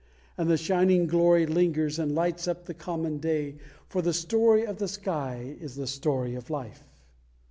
And the shining glory lingers and lights up the common day, for the story of the sky is the story of life.